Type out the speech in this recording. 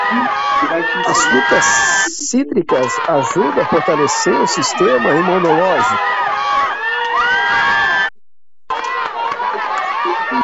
As frutas cítricas ajudam a fortalecer o sistema imunológico.